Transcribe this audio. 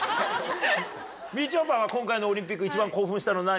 みちょぱは今回のオリンピック一番興奮したの何？